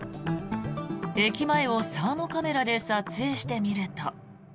駅前をサーモカメラで撮影してみると。